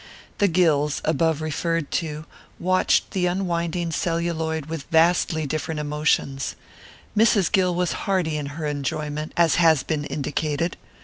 The Gills, above referred to, watched the unwinding celluloid with vastly different emotions. Mrs. Gill was hearty in her enjoyment, as has been indicated.